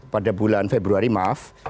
pada bulan februari maaf